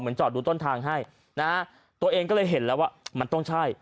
จอดดูต้นทางให้นะฮะตัวเองก็เลยเห็นแล้วว่ามันต้องใช่